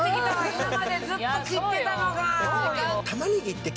今までずっと切ってたのが。